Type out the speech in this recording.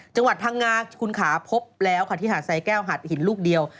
จังหวัดพังงาคุณขาพบแล้วค่ะที่หาดสายแก้วหาดหินลูกเดียว